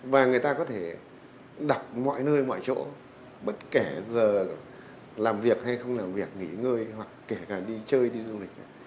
và người ta có thể đọc mọi nơi mọi chỗ bất kể giờ làm việc hay không làm việc nghỉ ngơi hoặc kể cả đi chơi đi du lịch cả